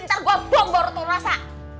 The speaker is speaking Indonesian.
ntar gue bom baru tau rasa